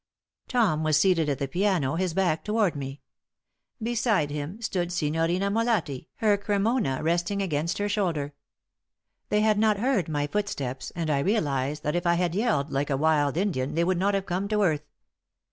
Tom was seated at the piano, his back toward me. Beside him stood Signorina Molatti, her Cremona resting against her shoulder. They had not heard my footsteps, and I realized that if I had yelled like a wild Indian they would not have come to earth.